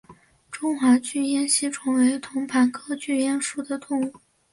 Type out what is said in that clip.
中华巨咽吸虫为同盘科巨咽属的动物。